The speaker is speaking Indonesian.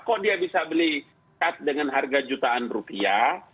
kok dia bisa beli cat dengan harga jutaan rupiah